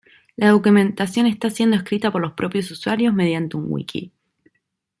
La documentación está siendo escrita por los propios usuarios mediante un Wiki.